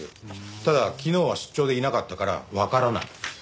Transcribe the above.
ただ昨日は出張でいなかったからわからない。